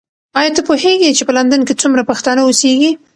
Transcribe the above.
ایا ته پوهېږې چې په لندن کې څومره پښتانه اوسیږي؟